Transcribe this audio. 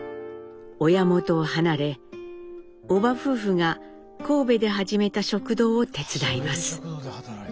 親元を離れ叔母夫婦が神戸で始めた食堂を手伝います。